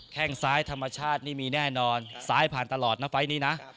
แค่งซ้ายธรรมชาตินี่มีแน่นอนซ้ายผ่านตลอดนะไฟล์นี้นะ